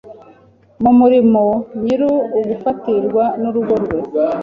mu murimo nyir ugufatirwa n urugo rwe